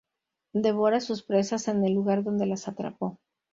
Devora sus presas en el lugar donde las atrapó.